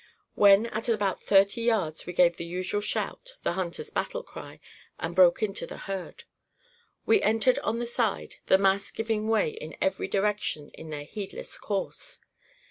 When at about thirty yards, we gave the usual shout (the hunter's battle cry) and broke into the herd. We entered on the side, the mass giving way in every direction in their heedless course.